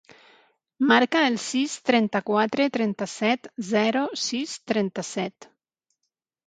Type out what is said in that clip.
Marca el sis, trenta-quatre, trenta-set, zero, sis, trenta-set.